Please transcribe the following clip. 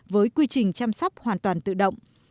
với quy trình chăm sóc hoàn toàn tự động